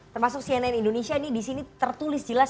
termasuk cnn indonesia ini disini tertulis jelas